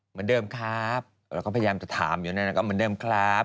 เหมือนเดิมครับเราก็พยายามจะถามอยู่นั่นก็เหมือนเดิมครับ